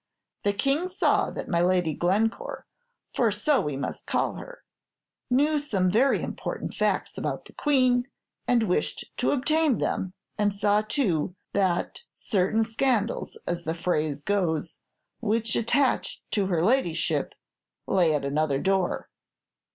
The King saw that my Lady Glencore for so we must call her knew some very important facts about the Queen, and wished to obtain them; and saw, too, that certain scandals, as the phrase goes, which attached to her ladyship, lay at another door.